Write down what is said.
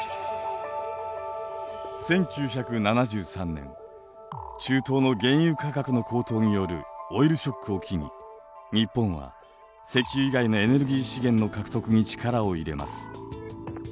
１９７３年中東の原油価格の高騰によるオイルショックを機に日本は石油以外のエネルギー資源の獲得に力を入れます。